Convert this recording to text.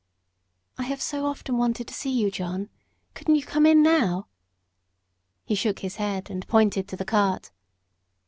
"I have so often wanted to see you, John. Couldn't you come in now?" He shook his head, and pointed to the cart.